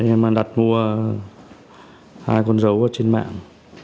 em đặt mua hai con dấu trên mạng